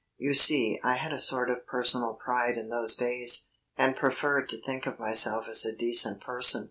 You see I had a sort of personal pride in those days; and preferred to think of myself as a decent person.